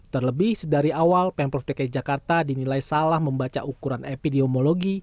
terlebih sedari awal pemprov dki jakarta dinilai salah membaca ukuran epidemiologi